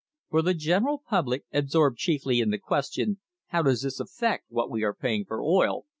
For the general public, absorbed chiefly in the question, "How does all this affect what we are paying for oil?"